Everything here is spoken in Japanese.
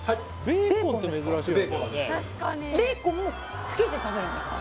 ベーコンもつけて食べるんですか？